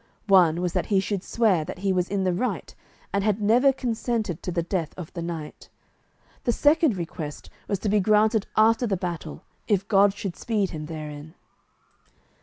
One was that he should swear that he was in the right and had never consented to the death of the knight. The second request was to be granted after the battle, if God should speed him therein.